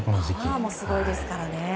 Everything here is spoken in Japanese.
パワーもすごいですからね。